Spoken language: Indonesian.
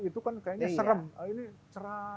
itu kan kayaknya serem ini cerah